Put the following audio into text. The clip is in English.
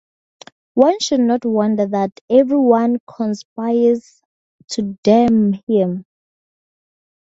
One should not wonder that everyone conspires to damn him.